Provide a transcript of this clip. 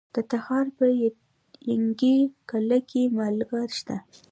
د تخار په ینګي قلعه کې مالګه شته.